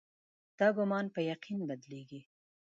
دا ګومان په یقین بدلېدی.